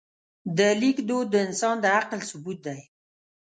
د لیک دود د انسان د عقل ثبوت دی.